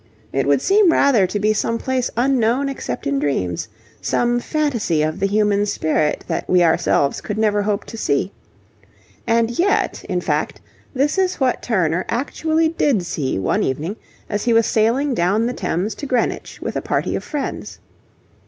It would seem rather to be some place unknown except in dreams, some phantasy of the human spirit that we ourselves could never hope to see. And yet, in fact, this is what Turner actually did see one evening as he was sailing down the Thames to Greenwich with a party of friends.